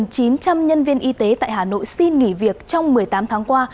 thưa quý vị gần chín trăm linh nhân viên y tế tại hà nội xin nghỉ việc trong một mươi tám tháng qua